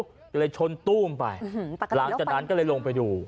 ก็เลยชนตู้มไปหลังจากนั้นก็เลยลงไปดู